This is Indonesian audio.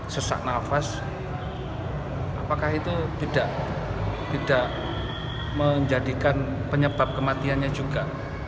sesak nafas apakah itu tidak menjadikan penyebab kematiannya juga